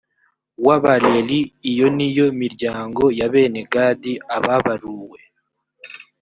w abareli iyo ni yo miryango ya bene gadi ababaruwe